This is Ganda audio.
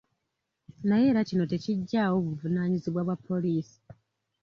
Naye era kino tekiggyaawo buvunaanyizibwa bwa poliisi.